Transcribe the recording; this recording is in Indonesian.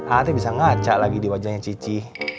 anda bisa ngaca lagi di wajahnya cici